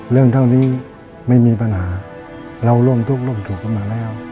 เรื่องเท่านี้ไม่มีปัญหาเราร่วมทุกข์ร่วมสุขกันมาแล้ว